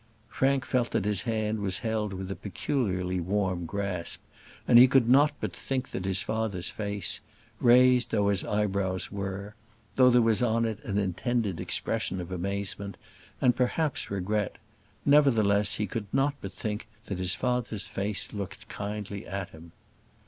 Frank felt that his hand was held with a peculiarly warm grasp; and he could not but think that his father's face, raised though his eyebrows were though there was on it an intended expression of amazement and, perhaps, regret nevertheless he could not but think that his father's face looked kindly at him.